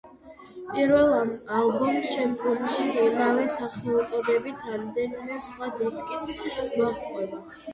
პირველ ალბომს შემდგომში იმავე სახელწოდებით რამდენიმე სხვა დისკიც მოჰყვა.